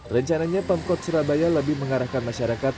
rencananya pemkot surabaya lebih mengarahkan masyarakat